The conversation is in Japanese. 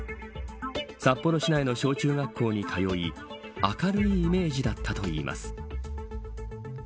札幌市内の小中学校に通い明るいイメージだったといいます。